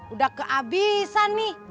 udah kehabisan nih